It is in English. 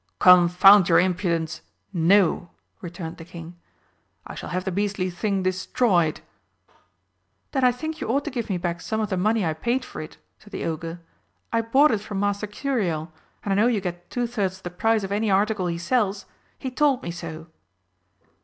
"Confound your impudence, no!" returned the King, "I shall have the beastly thing destroyed." "Then I think you ought to give me back some of the money I paid for it," said the Ogre. "I bought it from Master Xuriel, and I know you get two thirds the price of any article he sells. He told me so."